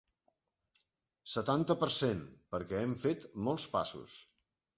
Setanta per cent Perquè hem fet molts passos.